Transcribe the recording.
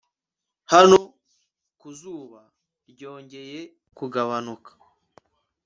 Hano ku zuba ryongeye kugabanuka